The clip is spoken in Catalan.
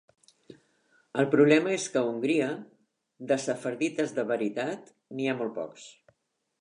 El problema és que a Hongria, de sefardites de veritat n'hi havia molt pocs.